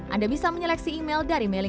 anda bisa menyeleksi email dari mailing list